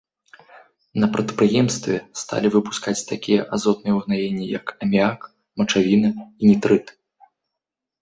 На прадпрыемстве сталі выпускаць такія азотныя ўгнаенні, як аміяк, мачавіна і нітрыт.